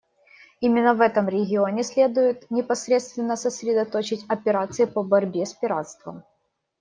Именно в этом регионе следует непосредственно сосредоточить операции по борьбе с пиратством.